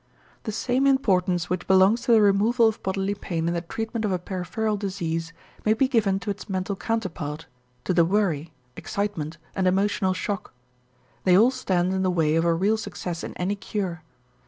The same importance which belongs to the removal of bodily pain in the treatment of a peripheral disease may be given to its mental counterpart, to the worry, excitement, and emotional shock. They all stand in the way of a real success in any cure.